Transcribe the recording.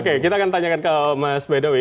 oke kita akan tanyakan ke mas bedowi